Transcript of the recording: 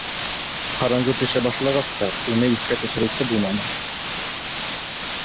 Ҡараңғы төшә башлағас та, уны иҫкә төшөрөүсе булманы.